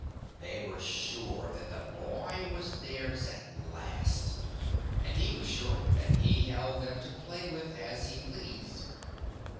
They were sure that the boy was theirs at last, and he was sure that he held them to play with as he pleased.